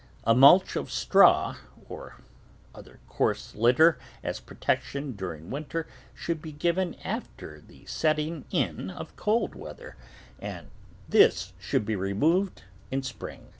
A mulch of straw or other coarse litter as protection during winter should be given after the setting in of cold weather, and this should be removed in spring.